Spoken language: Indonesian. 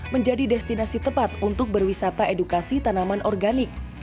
menjadi destinasi tepat untuk berwisata edukasi tanaman organik